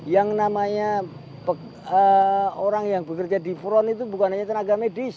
yang namanya orang yang bekerja di front itu bukan hanya tenaga medis